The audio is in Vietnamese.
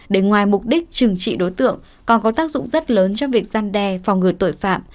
để ngoài mục đích trừng trị đối tượng còn có tác dụng rất lớn trong việc gian đe phòng ngừa tội phạm